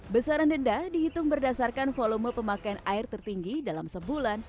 besaran denda dihitung berdasarkan volume pemakaian air tertinggi dalam sebulan